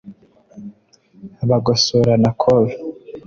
Bagosora na Col